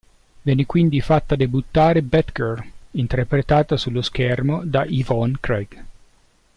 Venne quindi fatta debuttare Batgirl, interpretata sullo schermo da Yvonne Craig.